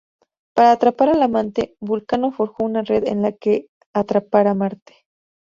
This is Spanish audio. Para atrapar al amante, Vulcano forjó una red en la que atrapar a Marte.